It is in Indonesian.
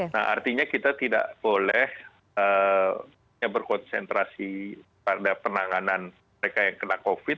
nah artinya kita tidak boleh berkonsentrasi pada penanganan mereka yang kena covid